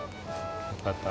よかった。